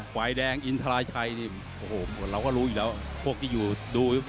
ฝ่ายแดงอินทราชัยนี่โอ้โหเราก็รู้อยู่แล้วพวกที่อยู่ดู